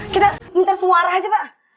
kita pintar suara aja pak